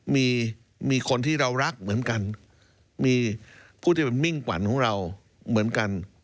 มีมีคนที่เรารักเหมือนกันมีผู้ที่เป็นมิ่งขวัญของเราเหมือนกัน